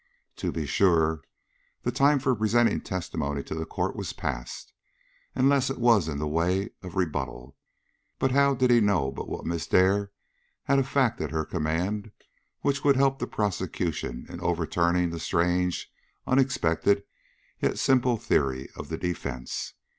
To be sure, the time for presenting testimony to the court was passed, unless it was in the way of rebuttal; but how did he know but what Miss Dare had a fact at her command which would help the prosecution in overturning the strange, unexpected, yet simple theory of the defence?